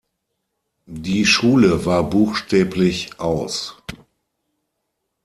Die Schule war buchstäblich aus.